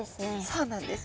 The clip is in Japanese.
そうなんです。